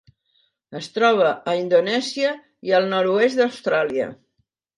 Es troba a Indonèsia i al nord-oest d'Austràlia.